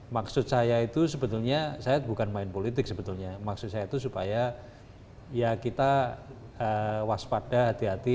maksud saya itu sebetulnya saya bukan main politik sebetulnya maksud saya itu supaya ya kita waspada hati hati